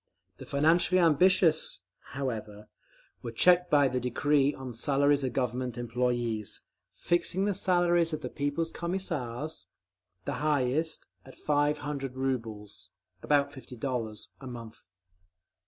The financially ambitious, however, were checked by the decree on Salaries of Government Employees, fixing the salaries of the People's Commissars—the highest—at five hundred rubles (about fifty dollars) a month….